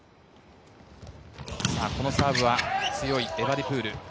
このサーブは強いエバディプール。